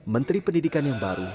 menteri pendidikan yang baru